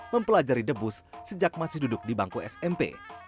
mempelajari debus sejak masih duduk di bangku smp